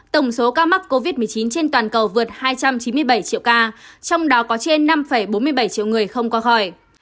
tổng số ca mắc covid một mươi chín trên toàn cầu vượt hai trăm chín mươi bảy triệu ca trong đó có trên năm bốn mươi bảy triệu người không qua khỏi